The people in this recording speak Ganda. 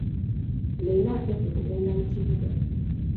Leero akedde kugenda mu kibuga.